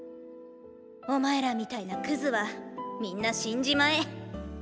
お前らみたいなクズは皆死んじまえ！